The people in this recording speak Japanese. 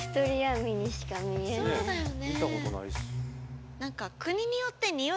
そうだよね。